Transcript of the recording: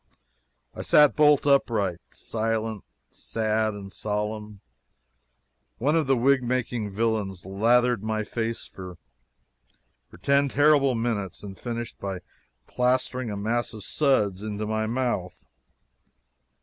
I sat bolt upright, silent, sad, and solemn. One of the wig making villains lathered my face for ten terrible minutes and finished by plastering a mass of suds into my mouth.